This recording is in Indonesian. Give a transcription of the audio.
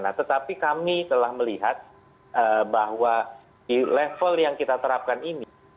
nah tetapi kami telah melihat bahwa di level yang kita terapkan ini